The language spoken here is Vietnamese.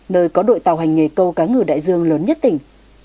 nơi có đội tàu hành nghề câu cá ngừ đại dương lớn nhất tỉnh